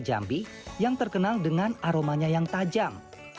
jambi yang terkenal dengan aromanya yang tajam